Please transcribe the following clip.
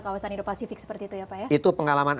kawasan indo pasifik seperti itu ya pak ya itu pengalaman